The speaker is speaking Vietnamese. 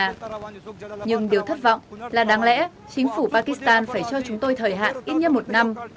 mình đều thất vọng là đáng lẽ chính phủ pakistan phải cho chúng tôi thời hạn ít như một năm